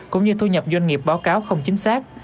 cũng như thu nhập doanh nghiệp báo cáo không chính xác